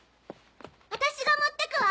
私が持ってくわ！